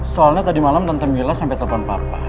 soalnya tadi malam tante mila sampai telepon papa